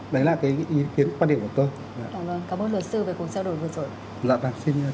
đấy là cái ý kiến quan điểm của tôi